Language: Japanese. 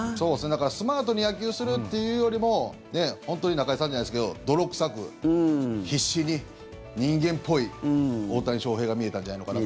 スマートに野球するというよりも本当に中居さんじゃないですけど泥臭く、必死に人間っぽい大谷翔平が見れたんじゃないのかなと。